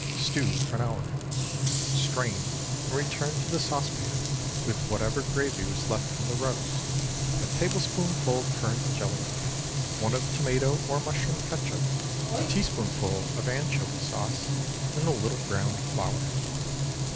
Stew for an hour. Strain and return to the saucepan, with whatever gravy was left from the roast, a tablespoonful currant jelly, one of tomato or mushroom catsup, a teaspoonful of anchovy sauce, and a little browned flour.